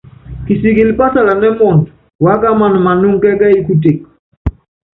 Kisikili pásalanɛ́ muundɔ, wákámana manúŋɔ kɛ́kɛ́yí kutek.